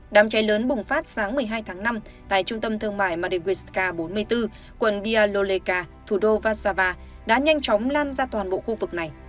đám cháy lớn bùng phát sáng một mươi hai tháng năm tại trung tâm thương mại mariuszka bốn mươi bốn quận bialoleka thủ đô vassava đã nhanh chóng lan ra toàn bộ khu vực này